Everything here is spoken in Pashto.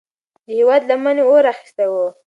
د هیواد لمنې اور اخیستی و.